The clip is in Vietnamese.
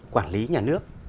quản lý nhà nước